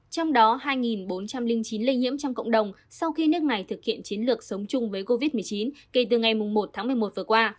trong đó hai bốn trăm linh chín lây nhiễm trong cộng đồng sau khi nước này thực hiện chiến lược sống chung với covid một mươi chín kể từ ngày một tháng một mươi một vừa qua